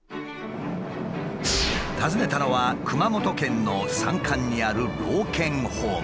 訪ねたのは熊本県の山間にある老犬ホーム。